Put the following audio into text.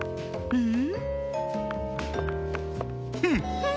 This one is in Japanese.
うん。